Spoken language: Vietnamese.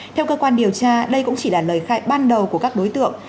theo cơ quan điều tra đây cũng chỉ là lời khai ban đầu của các đối tượng